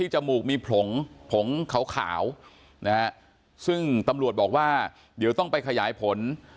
จมูกมีผงผงขาวนะฮะซึ่งตำรวจบอกว่าเดี๋ยวต้องไปขยายผล